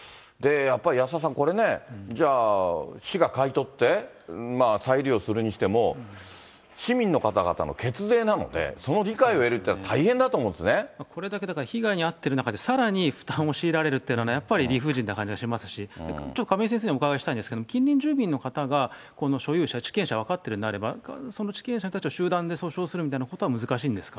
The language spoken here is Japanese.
やっぱり安田さん、これね、市が買い取って、再利用するにしても、市民の方々の血税なので、その理解を得るというのは大変だこれだけだから被害に遭ってる中で、さらに負担を強いられるっていうのは、やっぱり理不尽な感じがしますし、ちょっと亀井先生にお伺いしたいんですけど、近隣住民の方がこの所有者、地権者が分かってるんであれば、その地権者に、集団で訴訟するみたいなことは難しいんですか？